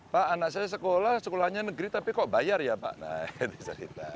pak anak saya sekolah sekolahnya negeri tapi kok bayar ya pak nah